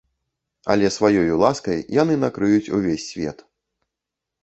Але сваёю ласкай яны накрыюць увесь свет.